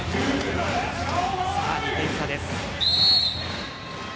２点差です。